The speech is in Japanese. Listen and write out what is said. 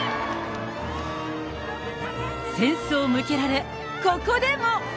扇子を向けられ、ここでも。